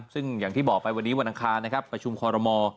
ซึ่งอย่างที่บอกไปวันนี้วันอังคารนะครับประชุมคอรมอล